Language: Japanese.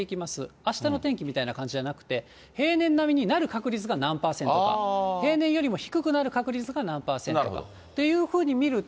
あしたの天気みたいな感じじゃなくて、平年並みになる確率が何％か、平年よりも低くなる確率が何％かというふうに見ると。